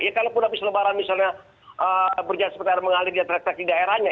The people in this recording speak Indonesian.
ya kalau pun habis lebaran misalnya berjalan seputar mengalir dia teriak teriak di daerahnya